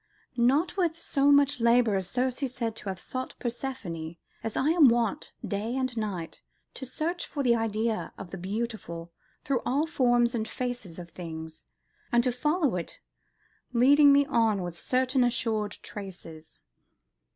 Not with so much labour is Ceres said to have sought Proserpine, as I am wont, day and night, to search for the idea of the beautiful through all forms and faces of things, and to follow it leading me on with certain assured traces."